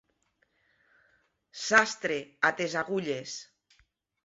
Sastre, a tes agulles.